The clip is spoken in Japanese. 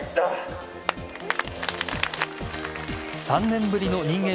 ３年ぶりの人間